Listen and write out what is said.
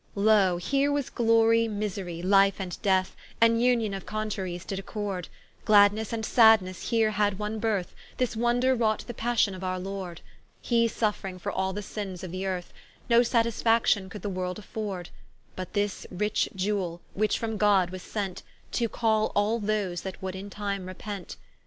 Loe, here was glorie, miserie, life and death, An vnion of contraries did accord; Gladnesse and sadnesse here had one berth, This wonder wrought the Passion of our Lord, He suffring for all the sinnes of all th'earth, No satisfaction could the world afford: But this rich Iewell, which from God was sent, To call all those that would in time repent.